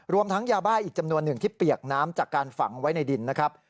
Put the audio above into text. ทั้งยาบ้าอีกจำนวนหนึ่งที่เปียกน้ำจากการฝังไว้ในดินนะครับ